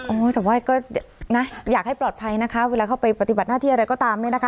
แต่ว่าก็นะอยากให้ปลอดภัยนะคะเวลาเข้าไปปฏิบัติหน้าที่อะไรก็ตามเนี่ยนะคะ